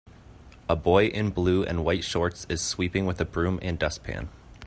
A boy in blue and white shorts is sweeping with a broom and dustpan.